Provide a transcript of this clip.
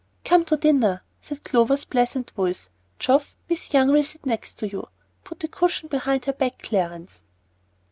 "Come to dinner," said Clover's pleasant voice. "Geoff, Miss Young will sit next to you. Put a cushion behind her back, Clarence."